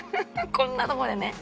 こんなとこでね。